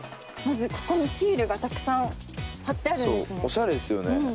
まずここにシールがたくさん貼ってあるんですね